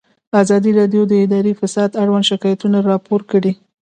ازادي راډیو د اداري فساد اړوند شکایتونه راپور کړي.